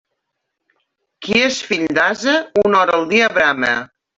Qui és fill d'ase, una hora al dia brama.